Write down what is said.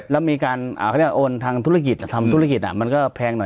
แล้วมีการเขาเรียกโอนทางธุรกิจทำธุรกิจมันก็แพงหน่อย